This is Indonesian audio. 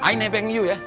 i nebang you ya